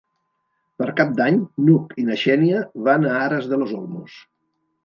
Per Cap d'Any n'Hug i na Xènia van a Aras de los Olmos.